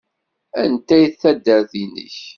Anta ay d taddart-nnek?